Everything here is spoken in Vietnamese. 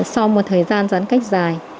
sau một thời gian giãn cách dài